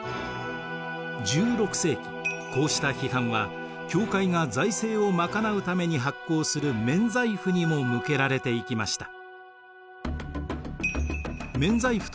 １６世紀こうした批判は教会が財政を賄うために発行する免罪符にも向けられていきました。